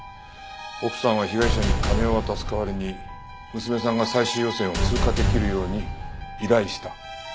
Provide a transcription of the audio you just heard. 奥さんは被害者に金を渡す代わりに娘さんが最終予選を通過できるように依頼した。